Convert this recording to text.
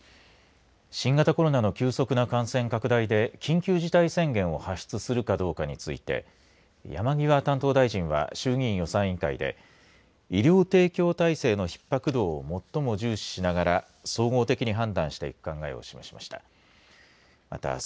新型コロナの急速な感染拡大で緊急事態宣言を発出するかどうかについて山際担当大臣は衆議院予算委員会で医療提供体制のひっ迫度を最も重視しながら総合的に判断していく考えを示しました。